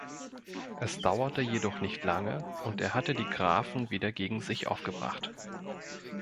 Es dauerte jedoch nicht lange und er hatte die Grafen wieder gegen sich aufgebracht.